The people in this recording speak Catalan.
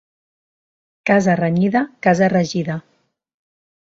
Casa renyida, casa regida.